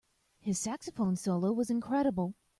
His saxophone solo was incredible.